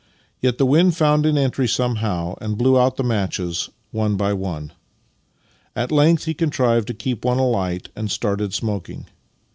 Yet the wind found an entry somehow, and blew out the matches, one by one. At length he contrived to keep one alight, and started smoking.